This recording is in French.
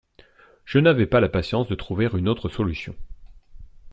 Je n'avais pas la patience de trouver une autre solution.